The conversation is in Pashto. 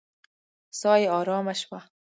ساه يې آرامه شوه.